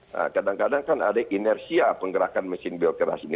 nah kadang kadang kan ada inersia penggerakan mesin biokeras ini